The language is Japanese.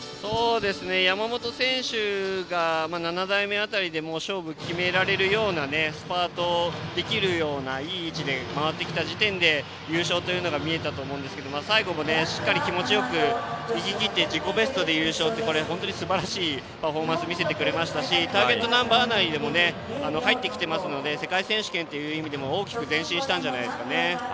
山本選手が７台目辺りでもう勝負を決められるスパートできるようないい位置で回ってきた時点で優勝というのが見えたと思うんですが最後もしっかり気持ちよくいききって自己ベストで優勝ってすばらしいパフォーマンスを見せてくれましたしターゲットナンバー内にも入ってきていますので世界選手権という意味でも大きく前進したんじゃないですかね。